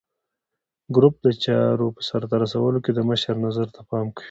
ګروپ د چارو په سرته رسولو کې د مشر نظر ته پام کوي.